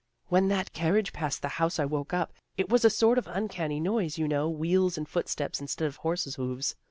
"" When that carriage passed the house I woke up. It was a sort of uncanny noise, you know, wheels and footsteps, instead of horses' hoofs.